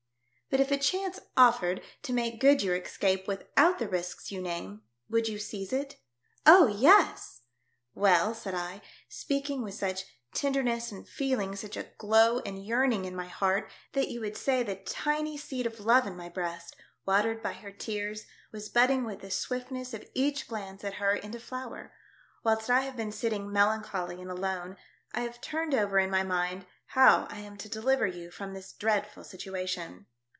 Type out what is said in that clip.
" But if a chance offered to make good your escape without the risks you name, would you seize siji; ?" ''Oh. yes!" "Well," said I, speaking with such tender ness and feeling such a glow and yearning in my heart that you would say the tiny seed of love in my breast, watered by her tears, was budding with the swiftness of each glance at her into flower, "whilst I have been sitting melancholy and alone I have turned over in my mind how I am to deliver you from this dreadful situation.